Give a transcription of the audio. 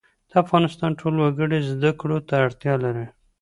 د افغانستان ټول وګړي زده کړو ته اړتیا لري